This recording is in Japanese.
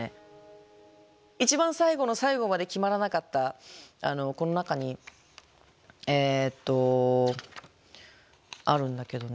一番最後の最後まで決まらなかったこの中にえっとあるんだけどね。